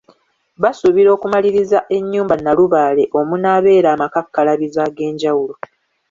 Basuubira okumaliriza ennyumba Nalubaale omunaabeera amakakkalabizo ag’enjawulo.